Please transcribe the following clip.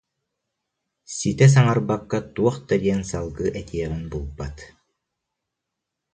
ситэ саҥарбакка туох да диэн салгыы этиэҕин булбат